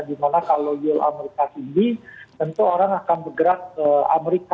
dimana kalau yield amerika tinggi tentu orang akan bergerak ke amerika